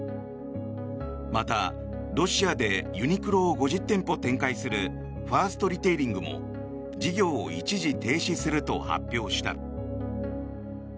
またロシアでユニクロを５０店舗展開するファーストリテイリングも事業を一時停止すると発表した。